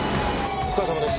お疲れさまです。